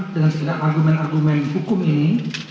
dengan segala argumen argumen hukum ini